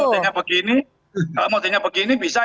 kalau pak camat ngetiknya begini